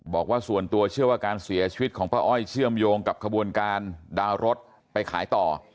บอกว่าส่วนตัวเชื่อว่าการเสียชีวิตของป้าอ้อยเชื่อมโยงกับขบวนการดาวน์รถไปขายต่อ